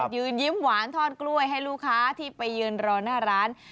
ยืนยิ้มหวานทอดกล้วยให้ลูกค้าที่ไปยืนรอหน้าร้าน